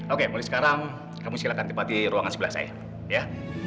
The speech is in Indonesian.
oke mulai sekarang kamu silakan tempat di ruangan sebelah saya ya